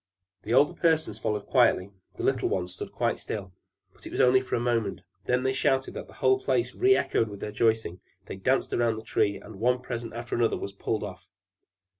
The older persons followed quietly; the little ones stood quite still. But it was only for a moment; then they shouted that the whole place re echoed with their rejoicing; they danced round the Tree, and one present after the other was pulled off.